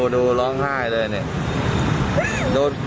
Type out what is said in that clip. ดูร้องไห้เลยเนี่ย